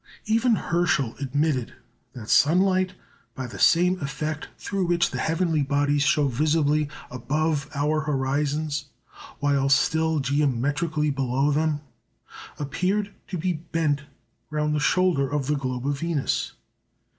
Even Herschel admitted that sunlight, by the same effect through which the heavenly bodies show visibly above our horizons while still geometrically below them, appeared to be bent round the shoulder of the globe of Venus.